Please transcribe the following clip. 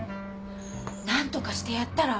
何とかしてやったら？